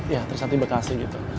ya trisakti bekasi gitu